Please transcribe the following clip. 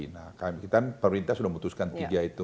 nah kita prioritas sudah memutuskan tiga itu